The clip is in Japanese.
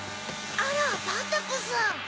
あらバタコさん。